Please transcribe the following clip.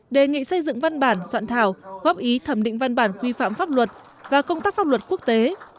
đề nghị xây dựng văn bản soạn thảo góp ý thẩm định văn bản quy phạm pháp luật và công tác pháp luật quốc tế